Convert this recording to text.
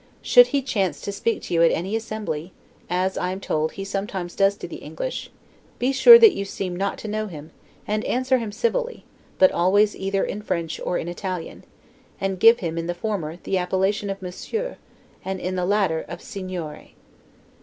Should he chance to speak to you at any assembly (as, I am told, he sometimes does to the English), be sure that you seem not to know him; and answer him civilly, but always either in French or in Italian; and give him, in the former, the appellation of Monsieur, and in the latter, of Signore.